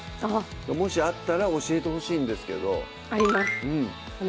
もしあったら教えてほしいんですけどあります